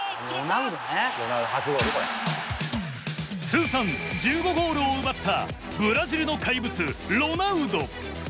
通算１５ゴールを奪ったブラジルの怪物ロナウド。